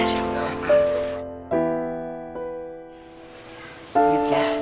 ya masya allah